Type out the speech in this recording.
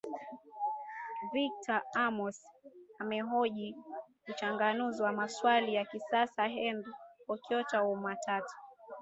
victor ambuso amemhoji muchanganuzi wa maswali ya kisiasa henry okoit omutata